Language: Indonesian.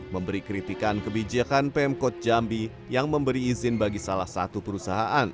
memberi kritikan kebijakan pemkot jambi yang memberi izin bagi salah satu perusahaan